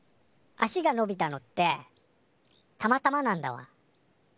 足がのびたのってたまたまなんだわ。